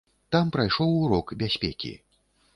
Там прайшоў урок бяспекі.